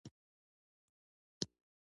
د ښه کیفیت غوښه ژر نه خرابیږي.